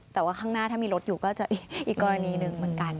แต่ว่าข้างหน้าถ้ามีรถอยู่ก็จะอีกกรณีหนึ่งเหมือนกัน